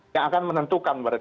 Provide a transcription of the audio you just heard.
yang akan menentukan berarti